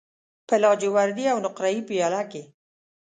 په لاجوردی او نقره یې پیاله کې